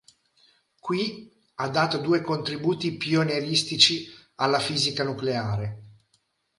Qui ha dato due contributi pionieristici alla fisica nucleare.